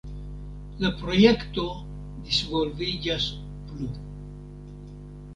La projekto disvolviĝas plu.